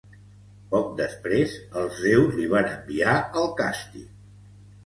Poc després els déus li van enviar el càstig.